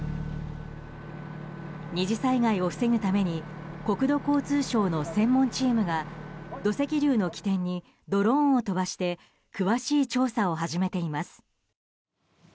２次災害を防ぐために国土交通省の専門チームが土石流の起点にドローンを飛ばして詳しい調査を始めています。